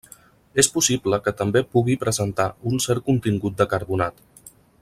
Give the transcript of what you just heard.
És possible que també pugui presentar un cert contingut de carbonat.